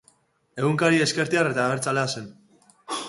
Egunkari ezkertiar eta abertzalea zen.